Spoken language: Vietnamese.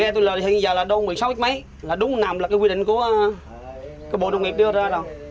tàu máy là đúng nằm là quy định của bộ nông nghiệp đưa ra